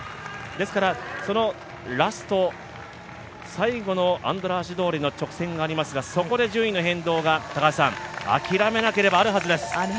ですからラスト、最後のアンドラーシ通りの直線がありますがそこで順位の変動が諦めなければあるはずです。